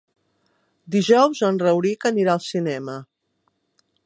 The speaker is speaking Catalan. Dijous en Rauric anirà al cinema.